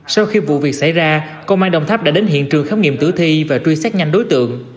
sau khi vụ việc xảy ra công an đồng tháp đã đến hiện trường khám nghiệm tử thi và truy xét nhanh đối tượng